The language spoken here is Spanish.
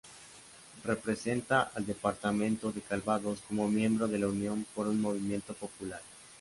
Representa al departamento de Calvados como miembro de la Unión por un Movimiento Popular.